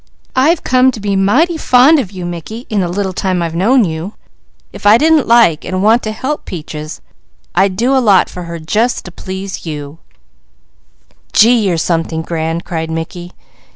I've come to be mighty fond of you Mickey, in the little time I've known you; if I didn't like and want to help Peaches I'd do a lot for her, just to please you " "Gee, you're something grand!" cried Mickey.